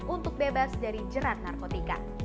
untuk bebas dari jerat narkotika